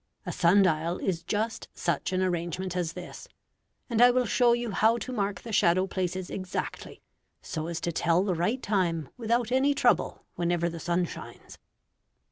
A sun dial is just such an arrangement as this, and I will show you how to mark the shadow places exactly, so as to tell the right time without any trouble whenever the sun shines.